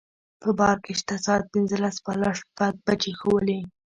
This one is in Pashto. په بار کې شته ساعت پنځلس بالا شپږ بجې ښوولې.